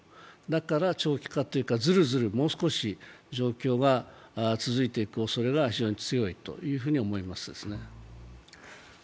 だから長期化というか、ずるずる状況が続いていく可能性が非常に強いというふうに思いますね。